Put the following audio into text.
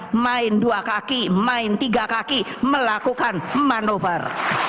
yang namanya main dua kaki main tiga kaki melakukan manuver